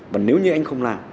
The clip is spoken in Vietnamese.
và nếu như anh không làm